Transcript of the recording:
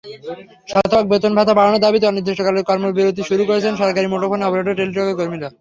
শতভাগ বেতন-ভাতা বাড়ানোর দাবিতে অনির্দিষ্টকালের কর্মবিরতি শুরু করেছেন সরকারি মুঠোফোন অপারেটর টেলিটকের কর্মীরা।